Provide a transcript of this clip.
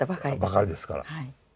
ばかりですから。